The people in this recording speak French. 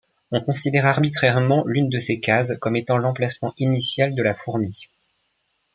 On considère arbitrairement l'une de ces cases comme étant l'emplacement initial de la fourmi.